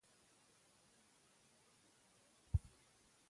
سمه ده زه نازنين درکوم.